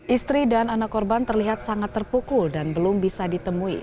istri dan anak korban terlihat sangat terpukul dan belum bisa ditemui